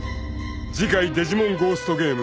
［次回『デジモンゴーストゲーム』］